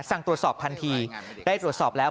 สั่งตรวจสอบทันทีได้ตรวจสอบแล้ว